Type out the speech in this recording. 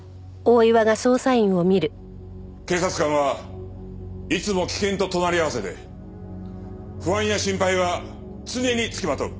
警察官はいつも危険と隣り合わせで不安や心配は常につきまとう。